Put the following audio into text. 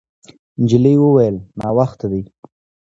نجلۍ وویل: «ناوخته دی.»